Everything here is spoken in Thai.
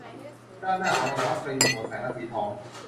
ด้านหน้าของรองเท้าเคยมีหัวสายรัดสีทอง